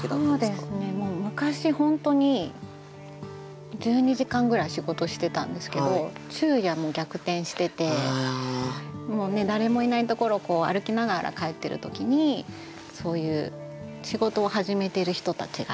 そうですね昔本当に１２時間ぐらい仕事してたんですけど昼夜も逆転しててもう誰もいないところ歩きながら帰ってる時にそういう仕事を始めてる人たちがいて。